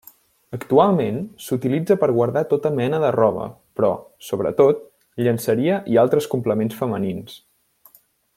Actualment, s'utilitza per guardar tota mena de roba però, sobretot, llenceria i altres complements femenins.